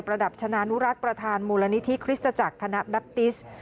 ระดับชนะนุรัติประธานมูลนิธิคริสตจักรคณะแบปติส